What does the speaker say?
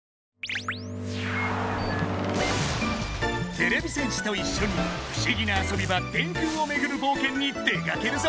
てれび戦士といっしょに不思議な遊び場電空をめぐる冒険に出かけるぞ！